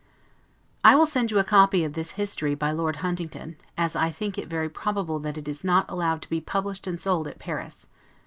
I will send you a copy of this history by Lord Huntingdon, as I think it very probable that it is not allowed to be published and sold at Paris.